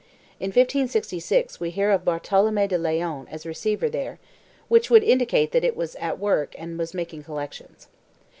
In 1566 we hear of Bar toloine de Leon as receiver there, which would indicate that it was at work and was making collections.